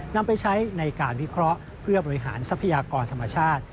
นำไปใช้ในการวิเคราะห์เพื่อบริหารทรัพยากรธรรมชาติ